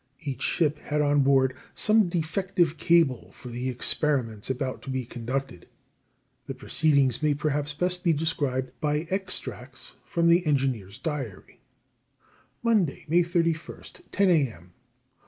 Each ship had on board some defective cable for the experiments about to be conducted. The proceedings may perhaps best be described by extracts from the engineer's diary: Monday, May 31st, 10 A.M.